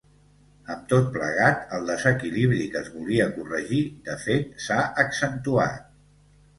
Amb tot plegat, el desequilibri que es volia corregir de fet s’ha accentuat.